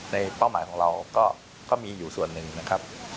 เป้าหมายของเราก็มีอยู่ส่วนหนึ่งนะครับ